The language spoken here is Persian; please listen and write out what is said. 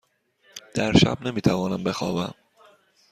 در شب نمی توانم بخوابم.